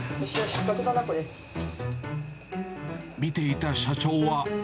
見ていた社長は。